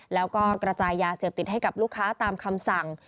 แล้วก็กระจายยาเสพติดให้กับลูกค้าตามคำสั่ง